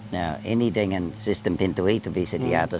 nah ini dengan sistem pintu itu bisa di atas